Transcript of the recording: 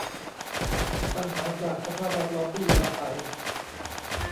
ปัญหาจากสภาพแวดล้อมที่อยู่อาศัย